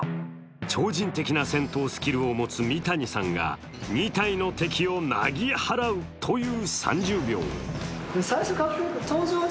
超人的な戦闘スキルを持つ三谷さんが２体の敵をなぎ払うという３０秒。